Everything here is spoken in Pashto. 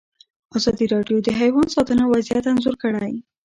ازادي راډیو د حیوان ساتنه وضعیت انځور کړی.